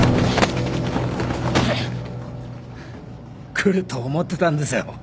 来ると思ってたんですよ。